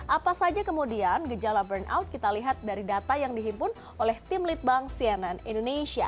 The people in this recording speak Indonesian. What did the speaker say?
apa saja kemudian gejala burnout kita lihat dari data yang dihimpun oleh tim litbang sianan indonesia